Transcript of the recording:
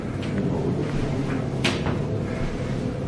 І новы дом яго быў вельмі добры.